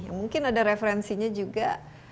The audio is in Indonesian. mungkin ada referensinya juga